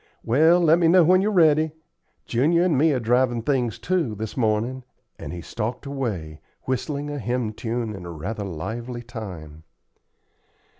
Well, let me know when you're ready. Junior and me are drivin' things, too, this mornin';" and he stalked away, whistling a hymn tune in rather lively time.